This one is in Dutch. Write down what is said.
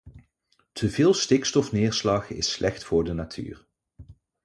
Te veel stikstofneerslag is slecht voor de natuur.